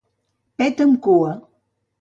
Pet amb cua.